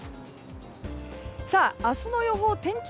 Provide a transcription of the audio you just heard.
明日の予報を天気